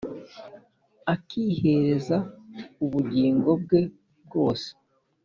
Akihereza ubugingo bwe bwose